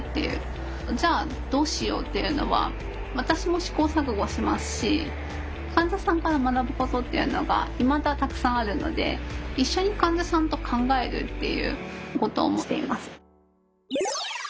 じゃあどうしようっていうのは私も試行錯誤しますし患者さんから学ぶことっていうのがいまだたくさんあるので一緒に患者さんと考えるっていうことをしています。